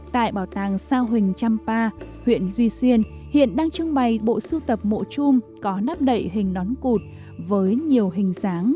tại bảo tàng sa huỳnh trăm pa huyện duy xuyên hiện đang trưng bày bộ sưu tập mộ chung có nắp đậy hình nón cụt với nhiều hình dáng